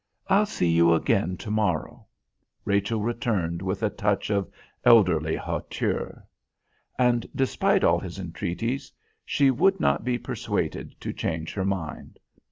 I'll see you again to morrow," Rachel returned with a touch of elderly hauteur. And, despite all his entreaties, she would not be persuaded to change her mind.